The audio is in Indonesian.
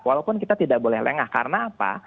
walaupun kita tidak boleh lengah karena apa